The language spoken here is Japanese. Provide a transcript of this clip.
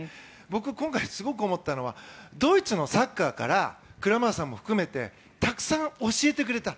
僕、今回すごく思ったのはドイツのサッカーからクラマーさんも含めてたくさん教えてくれた。